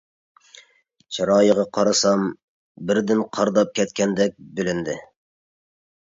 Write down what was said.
چىرايىغا قارىسام بىردىن قارىداپ كەتكەندەك بىلىندى.